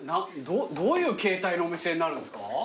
どういう形態のお店になるんですか？